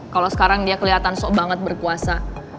kalo sekarang dia keliatan shock banget berkuasa